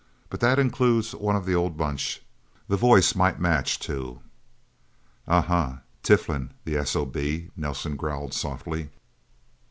But that includes one of the old Bunch. The voice might match, too." "Uh huh Tiflin, the S.O.B.," Nelsen growled softly.